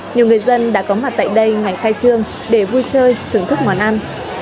nhiều người dân đã có mặt tại đây ngày khai trương để vui chơi thưởng thức món ăn